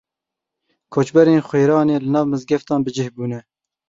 Koçberên Xwêranê li nav mizgeftan bicih bûne.